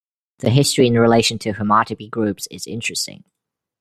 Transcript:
The history in relation to homotopy groups is interesting.